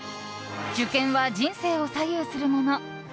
受験は人生を左右するもの。